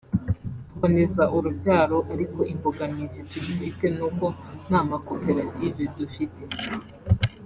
tuboneza urubyaro ariko imbogamizi tugifite ni uko nta makoperative dufite